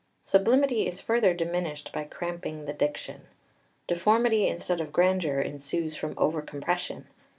] XLII Sublimity is further diminished by cramping the diction. Deformity instead of grandeur ensues from over compression.